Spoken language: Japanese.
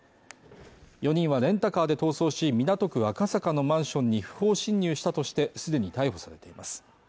４人はレンタカーで逃走し港区・赤坂のマンションに不法侵入したとして既に逮捕されています。